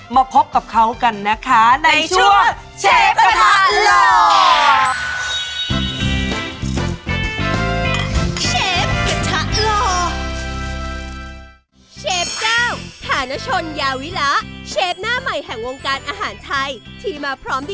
มาพบกับเขากันนะคะในช่วงเชฟกระทะหล่อ